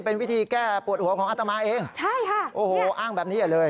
เป็นวิธีแก้ปวดหัวของอัตมาเองอ้างแบบนี้เลย